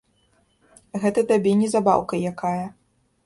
Гэта табе не забаўка якая.